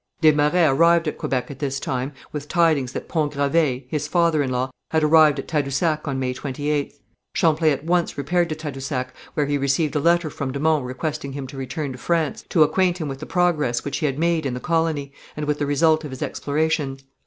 Des Marets arrived at Quebec at this time, with tidings that Pont Gravé, his father in law, had arrived at Tadousac on May 28th. Champlain at once repaired to Tadousac, where he received a letter from de Monts requesting him to return to France to acquaint him with the progress which he had made in the colony, and with the result of his explorations.